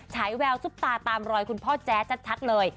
ฉายแววซุปตาตามรอยคุณพ่อแจ๊ชัดเลย